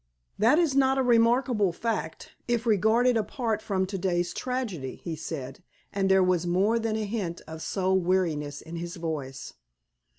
"That is not a remarkable fact, if regarded apart from to day's tragedy," he said, and there was more than a hint of soul weariness in his voice.